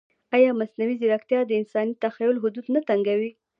ایا مصنوعي ځیرکتیا د انساني تخیل حدود نه تنګوي؟